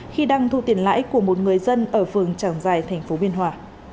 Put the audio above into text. khi đăng thu tiền lãi của một người dân ở phường tràng giài tp biên hòa